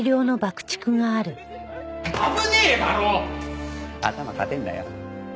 危ねえだろ！頭固えんだよ。